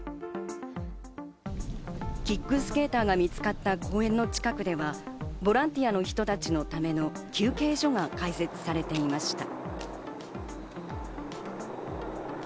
キックスケーターが見つかった公園の近くでは、ボランティアの人たちのための休憩所が開設されていました。